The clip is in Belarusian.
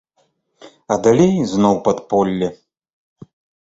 А далей зноў падполле.